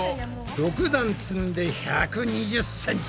６段積んで１２０ｃｍ。